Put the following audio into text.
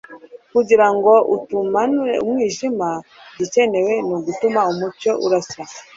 Kugira ngo utamunue umwijima, igikenewe ni ugutuma umucyo urasa.